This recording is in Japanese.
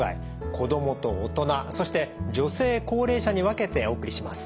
子どもと大人そして女性高齢者に分けてお送りします。